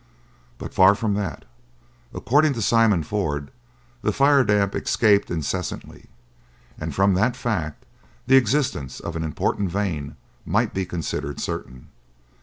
But far from that. According to Simon Ford, the fire damp escaped incessantly, and from that fact the existence of an important vein might be considered certain.